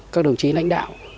các đồng chí lãnh đạo